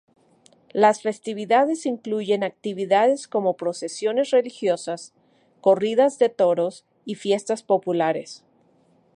Las festividades incluyen actividades como procesiones religiosas, corridas de toros y fiestas populares.